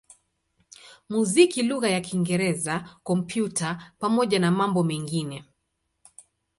muziki lugha ya Kiingereza, Kompyuta pamoja na mambo mengine.